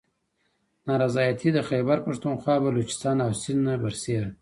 نا رضایتي د خیبر پښتونخواه، بلوچستان او سند نه بر سیره